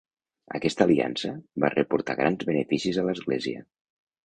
Aquesta aliança va reportar grans beneficis a l'Església.